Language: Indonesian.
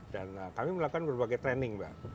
dan kami melakukan berbagai training mbak